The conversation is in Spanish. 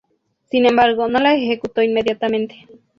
Sin embargo no la ejecutó inmediatamente.